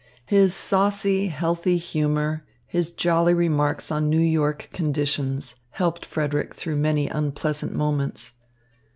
His saucy, healthy humour, his jolly remarks on New York conditions helped Frederick through many unpleasant moments.